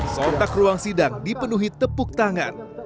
sontak ruang sidang dipenuhi tepuk tangan